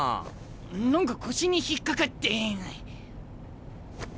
何か腰に引っ掛かって。